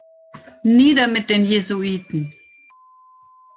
Nieder mit den Jesuiten!